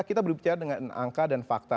kita berbicara dengan angka dan fakta